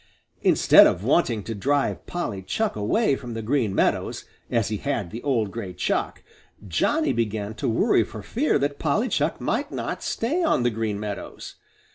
Instead of wanting to drive Polly Chuck away from the Green Meadows, as he had the old gray Chuck, Johnny began to worry for fear that Polly Chuck might not stay on the Green Meadows.